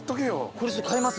これ買います。